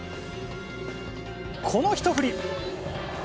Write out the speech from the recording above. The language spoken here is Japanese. この一振り。